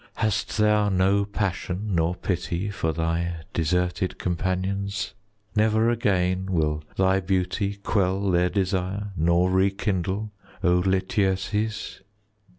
40 Hast thou no passion nor pity For thy deserted companions? Never again will thy beauty Quell their desire nor rekindle, O Lityerses?